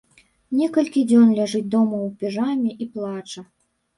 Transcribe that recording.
Некалькі дзён ляжыць дома ў піжаме і плача.